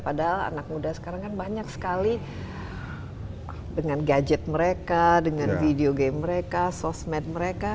padahal anak muda sekarang kan banyak sekali dengan gadget mereka dengan video game mereka sosmed mereka